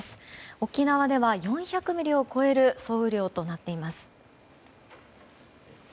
沖縄では４００ミリを超える総雨量となっています。